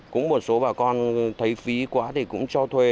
cũng một số bà con thấy phí quá thì cũng cho thuê